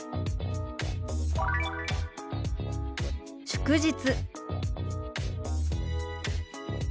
祝日。